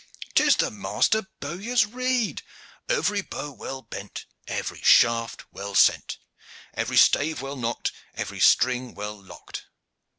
"'Tis the master bowyer's rede: 'Every bow well bent. Every shaft well sent. Every stave well nocked. Every string well locked.'